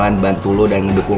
woy santai dong